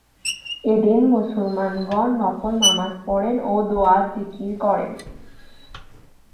এদিন মুসলমানগণ নফল নামায পড়েন ও দোয়া-জিকির করেন।